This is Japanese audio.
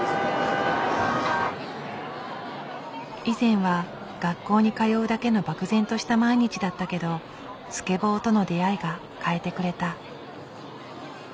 以前は学校に通うだけの漠然とした毎日だったけどスケボーとの出会いが変えてくれた。